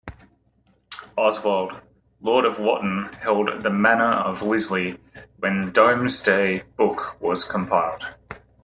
Oswold, lord of Wotton held the manor of Wisley when Domesday Book was compiled.